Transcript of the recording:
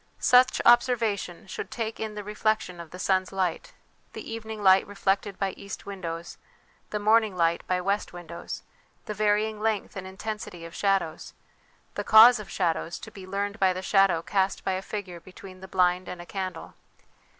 Such observation should take in the reflection of the sun's light, the evening light reflected by east windows, the morning light by west windows; the varying length and intensity of shadows, the cause of shadows, to be learned by the shadow cast by a figure between the blind and a candle.